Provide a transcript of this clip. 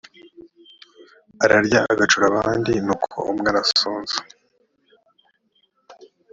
ararya agacura abandi nuko umwe arasonza